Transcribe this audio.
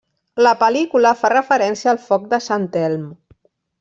La pel·lícula fa referència al foc de Sant Elm.